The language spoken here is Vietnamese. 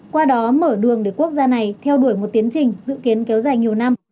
qua đó mở đường để quốc gia này theo đuổi một tiến trình dự kiến kéo dài nhiều năm